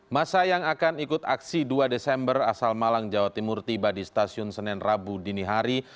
masa yang akan ikut aksi dua desember asal malang jawa timur tiba di stasiun senen rabu dini hari